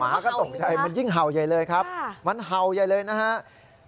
หมาก็ตกใจมันยิ่งเห่าใหญ่เลยครับมันเห่าใหญ่เลยนะฮะมันก็เห่าอยู่นั่นแหละฮะ